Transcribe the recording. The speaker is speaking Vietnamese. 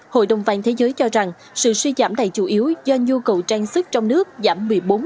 hội đồng vàng thế giới cho rằng sự suy giảm này chủ yếu do nhu cầu trang sức trong nước giảm một mươi bốn